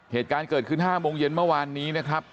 เหตุการณ์เกิดขึ้น๕โมงเย็นเมื่อวานนี้นะครับ